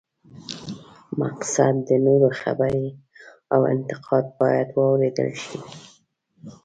مقصد د نورو خبرې او انتقاد باید واورېدل شي.